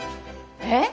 えっ？